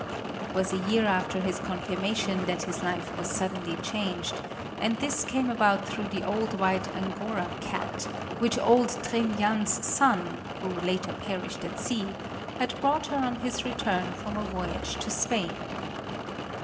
It was a year after his confirmation that his life was suddenly changed, and this came about through the old white Angora cat which old Trin Jans's son, who later perished at sea, had brought her on his return from a voyage to Spain.